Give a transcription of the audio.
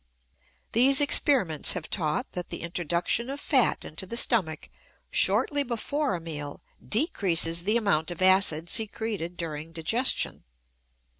These experiments have taught that the introduction of fat into the stomach shortly before a meal decreases the amount of acid secreted during digestion.